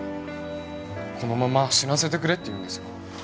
このまま死なせてくれって言うんですよ？